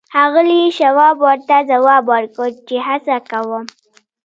ښاغلي شواب ورته ځواب ورکړ چې هڅه کوم